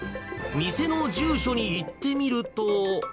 店の住所に行ってみると。